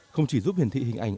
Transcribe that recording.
không chỉ giúp hiển thị hình ảnh